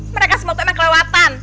mereka semua itu emang kelewatan